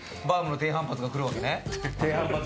バーム低反発が来るわけね。